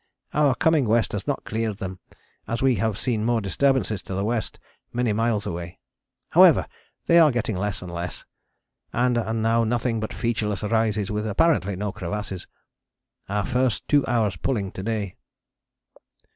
Our coming west has not cleared them, as we have seen more disturbances to the west, many miles away. However, they are getting less and less, and are now nothing but featureless rises with apparently no crevasses. Our first two hours' pulling to day....